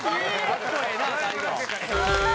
かっこええな最後。